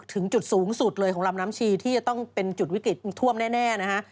ถึงจุดสูงสุดเลยของลำน้ำชีที่จะต้องเป็นจุดวิกฤตท่วมแน่นะฮะ